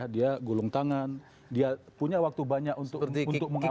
dia gulung tangan dia punya waktu banyak untuk mengapa